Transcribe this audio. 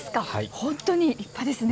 本当に立派ですね。